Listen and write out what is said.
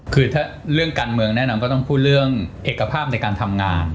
คือถ้าเรื่องการเมืองแนะนำก็ต้องพูดเรื่องเอกภาพในการทำงาน